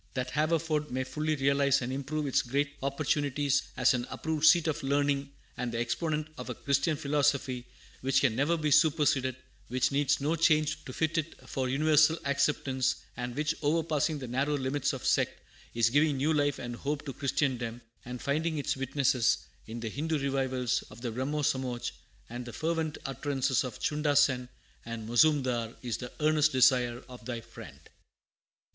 That Haverford may fully realize and improve its great opportunities as an approved seat of learning and the exponent of a Christian philosophy which can never be superseded, which needs no change to fit it for universal acceptance, and which, overpassing the narrow limits of sect, is giving new life and hope to Christendom, and finding its witnesses in the Hindu revivals of the Brahmo Somaj and the fervent utterances of Chunda Sen and Mozoomdar, is the earnest desire of thy friend.